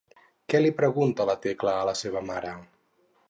Què li pregunta la Tecla a la seva mare?